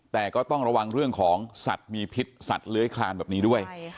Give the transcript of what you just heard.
แต่ก็ต้องระวังเรื่องของสัตว์มีพิษสัตว์เลื้อยคลานแบบนี้ด้วย